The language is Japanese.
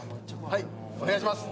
はいお願いします。